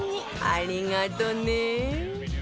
ありがとね！